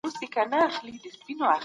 بې تحقيقه خبره مه کوئ.